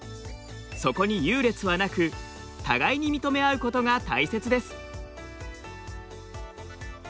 そこに優劣はなく互いに認め合うことが大切です。